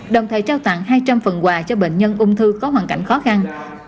đồng thời trao tặng hai trăm linh phần quà cho bệnh nhân ung thư có hoàn cảnh khó khăn